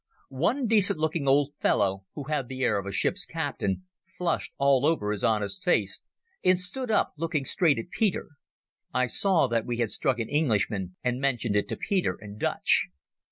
One decent looking old fellow, who had the air of a ship's captain, flushed all over his honest face, and stood up looking straight at Peter. I saw that we had struck an Englishman, and mentioned it to Peter in Dutch.